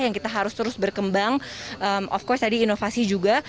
yang kita harus terus berkembang of course tadi inovasi juga